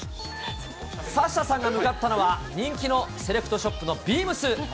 サッシャさんが向かったのは、人気のセレクトショップのビームス。